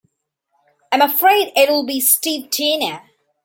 I'm afraid it'll be Steve Tina.